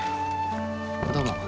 どうも。